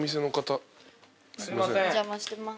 すいません。